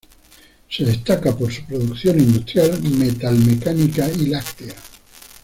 Se destaca por su producción industrial metalmecánica y láctea.